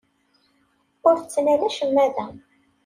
Ur ttnal acemma da.